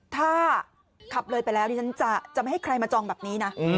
ถ้าขับเลยไปแล้วดิฉันจะไม่ให้ใครมาจองแบบนี้นะ